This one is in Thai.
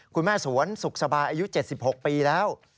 คุณแม่สวนสุขสบายอายุ๗๖ปีแล้ว